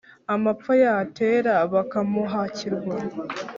amapfa yatera bakamuhakirwa.